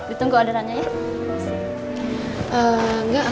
ditunggu adarannya ya